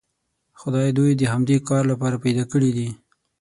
خدای دوی د همدې کار لپاره پیدا کړي دي.